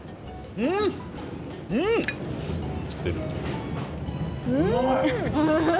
うまい。